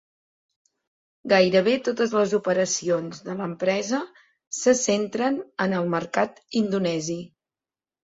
Gairebé totes les operacions de l'empresa se centren en el mercat indonesi.